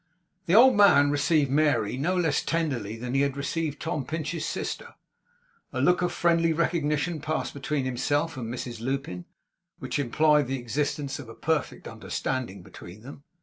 The old man received Mary no less tenderly than he had received Tom Pinch's sister. A look of friendly recognition passed between himself and Mrs Lupin, which implied the existence of a perfect understanding between them.